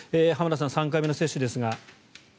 浜田さん、３回目の接種ですが。